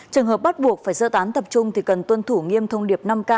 trường hợp bắt buộc phải sơ tán tập trung thì cần tuân thủ nghiêm thông điệp năm k